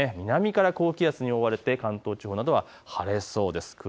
南から高気圧に覆われて関東地方などは晴れそうです。